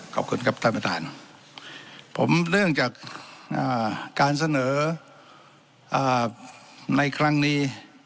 ขอบคุณครับท่านประธานผมเนื่องจากการเสนอในครั้งนี้